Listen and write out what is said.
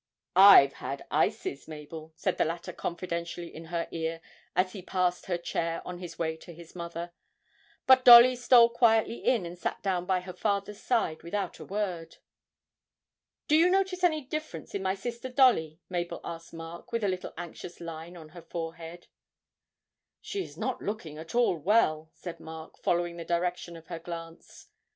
'I've had ices, Mabel,' said the latter confidentially in her ear as he passed her chair on his way to his mother; but Dolly stole quietly in and sat down by her father's side without a word. 'Do you notice any difference in my sister Dolly?' Mabel asked Mark, with a little anxious line on her forehead. 'She is not looking at all well,' said Mark, following the direction of her glance.